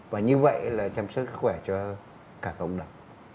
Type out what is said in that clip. và như vậy là chăm sóc sức khỏe cho cả cộng đồng